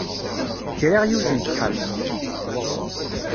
Kriɣ yiwet n texxamt.